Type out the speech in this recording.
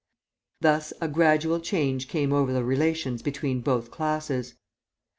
Thus a gradual change came over the relations between both classes.